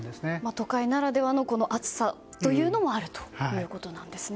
都会ならではの暑さもあるということなんですね。